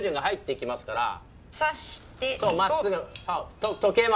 入っていきますか？